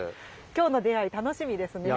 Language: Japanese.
今日の出会い楽しみですね。